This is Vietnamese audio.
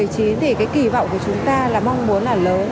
thì cái kỳ vọng của chúng ta là mong muốn là lớn